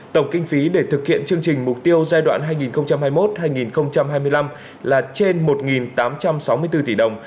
tổng kinh phí để thực hiện chương trình mục tiêu giai đoạn hai nghìn hai mươi một hai nghìn hai mươi năm là trên một tám trăm sáu mươi bốn tỷ đồng